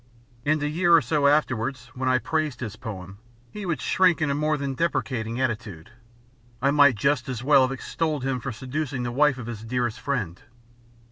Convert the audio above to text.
And a year or so afterwards when I praised his poem he would shrink in a more than deprecating attitude: I might just as well have extolled him for seducing the wife of his dearest friend.